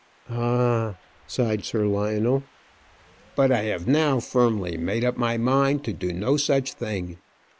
"Ah!" sighed Sir Lionel. "But I have now firmly made up my mind to do no such thing.